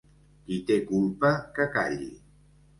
Qui té culpa que calli.